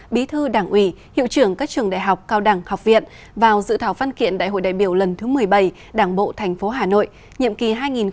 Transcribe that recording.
bí thư đảng ủy hiệu trưởng các trường đại học cao đẳng học viện vào dự thảo phân kiện đại hội đại biểu lần thứ một mươi bảy đảng bộ tp hà nội nhiệm kỳ hai nghìn hai mươi hai nghìn hai mươi năm